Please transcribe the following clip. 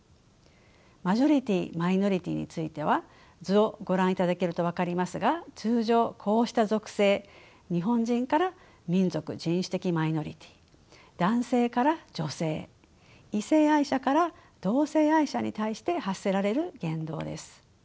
マジョリティーマイノリティーについては図をご覧いただけると分かりますが通常こうした属性日本人から民族人種的マイノリティー男性から女性異性愛者から同性愛者に対して発せられる言動です。